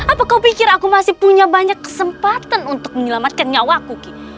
apa kau pikir aku masih punya banyak kesempatan untuk menyelamatkan nyawa aku